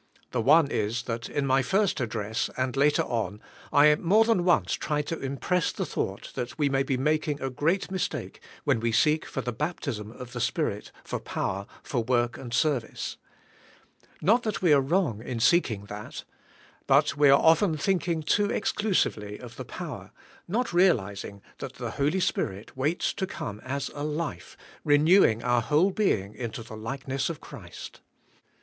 The one is, that in my first ad dress, and later on, I more than once tried to im press the thoug"ht, that we may be making a g reat mistake when we seek for the baptism of the Spirit for power for work and service. Not that we are wrong" in seeking that. But we are often thinking too exclusively of the power, and not realizing that the Holy Spirit waits to come as a life, renewing our whole being into the likeness of Christ.